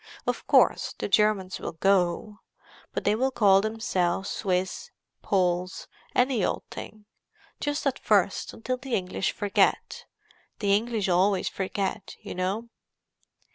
Of course, the Germans will go—but they will call themselves Swiss, Poles, any old thing. Just at first, until the English forget: the English always forget, you know."